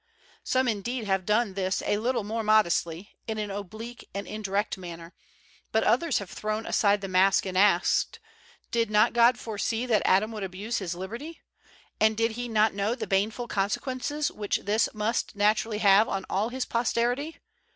Some indeed have done this a little more modestly, in an oblique and indirect manner, but others have thrown aside the mask and asked, "Did not God foresee that Adam would abuse his liberty ? And did He not know the baneful consequences which this must naturally have on all his posterity?